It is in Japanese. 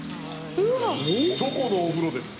チョコのお風呂です。